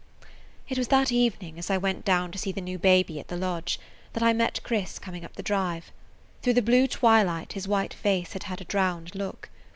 It was that evening, as I went down to see the new baby at the lodge, that I met Chris coming up the drive. Through the blue twilight his white face had had a drowned look.